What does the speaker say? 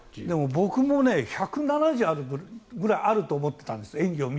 僕も１７０ｃｍぐらいあると思っていたんですよ。